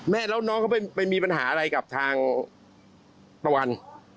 แล้วน้องเขาไปมีปัญหาอะไรกับทางตะวัน